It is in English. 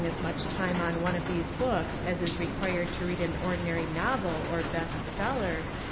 as much time on one oi these books as is re diet 111 1 <<i 11 " quired to read an ordinary novel or best seller